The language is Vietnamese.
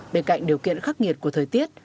bên cạnh điều kiện khắc nghiệt của thời tiết